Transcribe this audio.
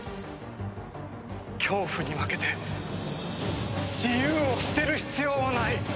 恐怖に負けて自由を捨てる必要はない！